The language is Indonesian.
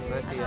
enggak sih ya